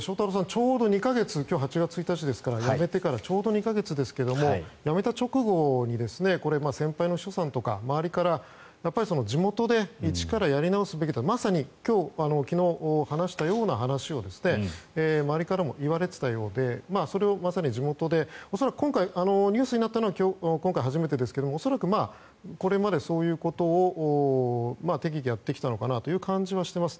ちょうど２か月今日は８月１日ですから辞めてからちょうど２か月ですが辞めた直後に先輩の秘書さんとか周りから地元で一からやり直すべきだまさに昨日話したような話を周りからも言われていたのでそれをまさに地元で恐らくニュースになったのは今回初めてですが恐らく、これまでそういうことを適宜やってきたのかなという感じはしています。